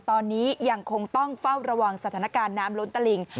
ตอนนี้ยังคงต้องเฝ้าระวังสถานการณ์น้ำล้นตลิ่ง